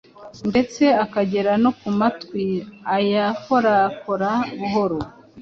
ndetse akagera no ku matwi ayakorakora buhoro